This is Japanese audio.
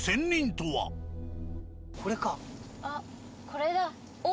あっこれだ。